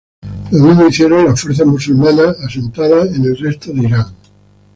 Lo mismo hicieron las fuerzas musulmanas asentadas en el resto de Irán.